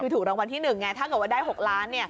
คือถูกรางวัลที่๑ไงถ้าเกิดว่าได้๖ล้าน